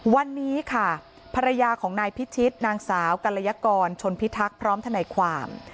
วันนี้ค่ะภรรยาของนายพิชิตนางสาวกัลยกรชนพิทักษ์พร้อมทนายความ